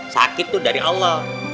sakit tuh dari allah